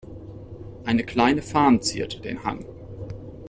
Eine kleine Farm zierte den Hang.